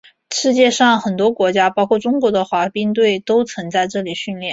世界上很多国家包括中国的滑冰队都曾在这里训练。